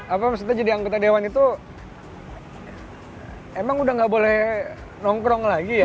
apa maksudnya jadi anggota dewan itu emang udah gak boleh nongkrong lagi ya